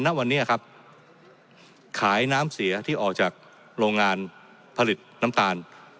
ณวันนี้ครับขายน้ำเสียที่ออกจากโรงงานผลิตน้ำตาล